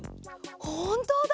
ほんとだ！